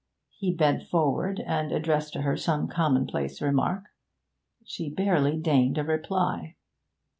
He bent forward and addressed to her some commonplace remark; she barely deigned a reply.